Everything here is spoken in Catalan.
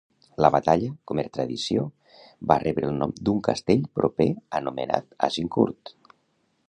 La batalla, com era tradició, va rebre el nom d'un castell proper anomenat Azincourt.